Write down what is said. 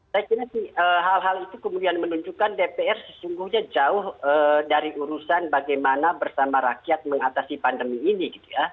saya kira sih hal hal itu kemudian menunjukkan dpr sesungguhnya jauh dari urusan bagaimana bersama rakyat mengatasi pandemi ini